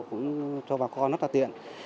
cũng cho bà con rất là tiện